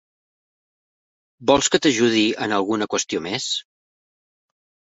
Vols que t'ajudi en alguna qüestió més?